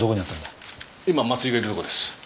今松井がいるとこです。